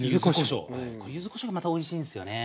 これ柚子こしょうがまたおいしいんすよね。